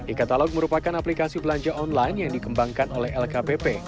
e katalog merupakan aplikasi belanja online yang dikembangkan oleh lkpp